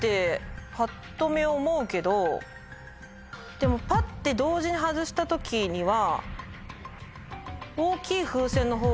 でもパッて同時に外した時には。